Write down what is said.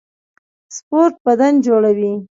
سپورټ بدن جوړوي